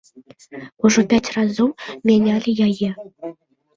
Ужо пяць разоў мянялі яе.